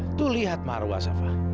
nah tuh lihat marwa safa